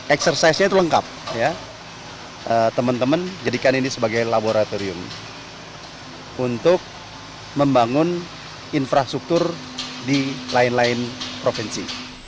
eksersisnya itu lengkap teman teman jadikan ini sebagai laboratorium untuk membangun infrastruktur di lain lain provinsi